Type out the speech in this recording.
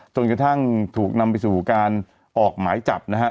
จนกระทั่งถูกนำไปสู่การออกหมายจับนะครับ